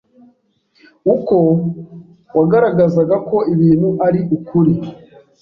uko wagaragaza ko ibintu ari ukuri